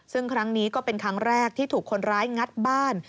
ซึ่งครั้งนี้ก็เป็นครั้งแรกที่ถูกคนร้ายงัดบ้าน